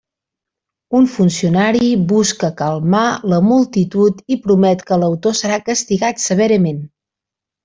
Un funcionari busca calmar la multitud i promet que l'autor serà castigat severament.